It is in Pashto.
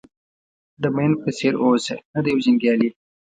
د مین په څېر اوسه نه د یو جنګیالي.